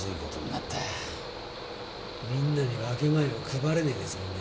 みんなに分け前を配れねえですもんね。